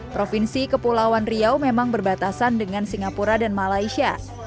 provinsi kepulauan riau memang berbatasan dengan singapura dan malaysia